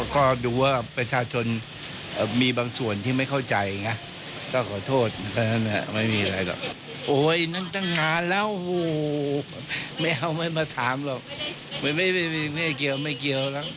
กี่ปีแล้วสิหกเจ็ดปีแล้วเจ็ดปีแล้ว